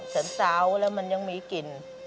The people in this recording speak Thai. สันเซาแล้วมันยังมีกลิ่น